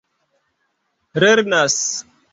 lernas